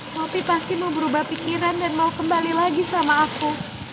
kopi pasti mau berubah pikiran dan mau kembali lagi sama aku